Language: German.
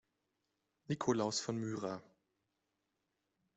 Nikolaus von Myra.